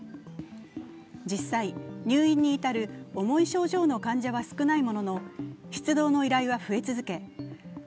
実際、入院に至る重い症状の患者は少ないものの出動の依頼は増え続け